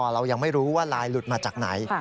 เรายังไม่รู้ว่าลายหลุดมาจากไหน